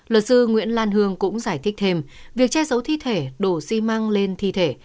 luật sư nguyễn lan hương cũng giải thích thêm việc che giấu thi thể đổ xi măng lên thi thể